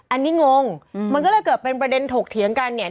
อันนี้งงมันก็เลยเกิดเป็นประเด็นถกเถียงกันเนี่ย